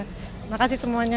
terima kasih semuanya